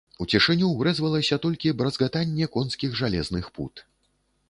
У цішыню ўрэзвалася толькі бразгатанне конскіх жалезных пут.